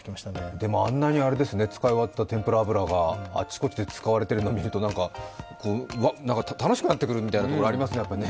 でも、あんなに使い終わった天ぷら油があちこちで使われているのを見ると、楽しくなってくるみたいなところがありますね。